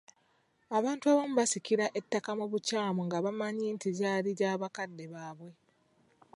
Abantu abamu basikira ettaka mu bukyamu nga bamanyi nti lyali lya bakadde baabwe.